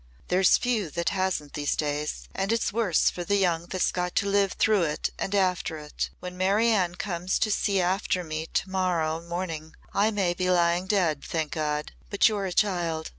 There's few that hasn't these days. And it's worse for the young that's got to live through it and after it. When Mary Ann comes to see after me to morrow morning I may be lying dead, thank God. But you're a child."